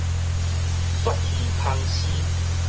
鱈魚芳絲